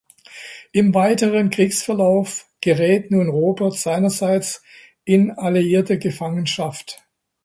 Im weiteren Kriegsverlauf gerät nun Robert seinerseits in alliierte Gefangenschaft.